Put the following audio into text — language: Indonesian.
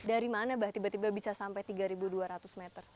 dari mana bah tiba tiba bisa sampai tiga dua ratus meter